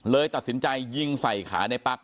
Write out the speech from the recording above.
เลยตัดสินใจยิงใส่ขาในปั๊ก